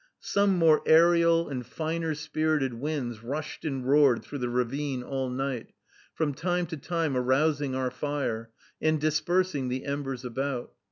Some more aërial and finer spirited winds rushed and roared through the ravine all night, from time to time arousing our fire, and dispersing the embers about.